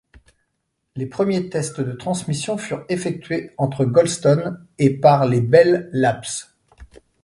Les premiers tests de transmissions furent effectués entre Goldstone et par les Bell Labs.